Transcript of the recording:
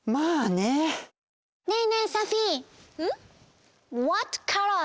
ねえねえサフィー。